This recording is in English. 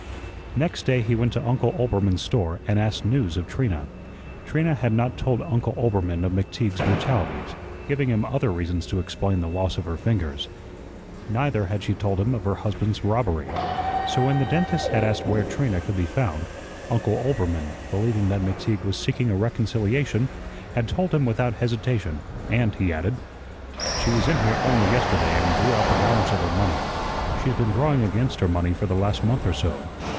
Next day he went to Uncle Oelbermann's store and asked news of Trina. Trina had not told Uncle Oelbermann of McTeague's brutalities, giving him other reasons to explain the loss of her fingers; neither had she told him of her husband's robbery. So when the dentist had asked where Trina could be found, Uncle Oelbermann, believing that McTeague was seeking a reconciliation, had told him without hesitation, and, he added: "She was in here only yesterday and drew out the balance of her money. She's been drawing against her money for the last month or so.